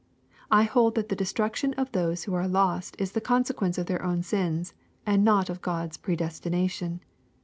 I hold that the destruction of those who are lost is the consequence of their own sins, and not of God's predestination.